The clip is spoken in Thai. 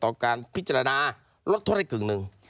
เป็นประโยชน์ต่อการพิจารณารดทฤษฐกลุ่งนึง